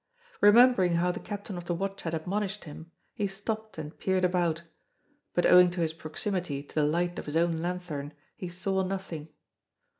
Remembering how the Captain of the Watch had admonished him, he stopped and peered about, but owing to his proximity to the light of his own lanthorn he saw nothing.